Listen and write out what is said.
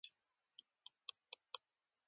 د کفر له فتواوو څخه وژغوري.